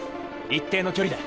一定の距離で。